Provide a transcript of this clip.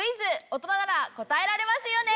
大人なら答えられますよね？